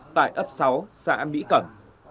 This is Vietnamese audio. và sáu xã mỹ cẩn